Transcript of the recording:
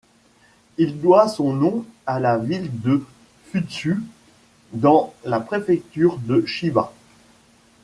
Il doit son nom à la ville de Futtsu dans la préfecture de Chiba.